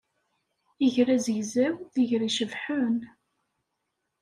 Iger azegzaw d iger icebḥen.